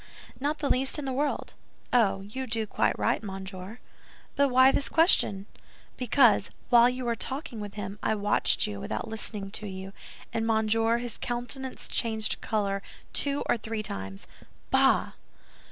Not the least in the world." "Oh, you do quite right, monsieur." "But why this question?" "Because, while you were talking with him, I watched you without listening to you; and, monsieur, his countenance changed color two or three times!" "Bah!"